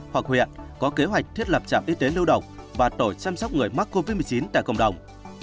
hoặc huyện có kế hoạch thiết lập trạm y tế lưu độc và tổ chăm sóc người mắc covid một mươi chín tại cộng đồng